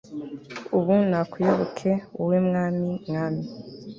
ubu nakuyoboke, wowe mwami. mwami